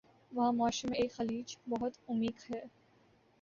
وہاں معاشرے میں ایک خلیج بہت عمیق ہے